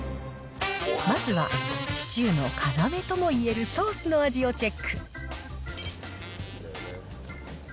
まずはシチューの要ともいえるソースの味をチェック。